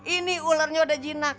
ini ularnya udah jinak